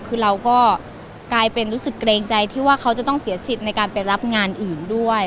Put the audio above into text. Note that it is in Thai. คือเราก็กลายเป็นรู้สึกเกรงใจที่ว่าเขาจะต้องเสียสิทธิ์ในการไปรับงานอื่นด้วย